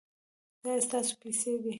دا ستاسو پیسې دي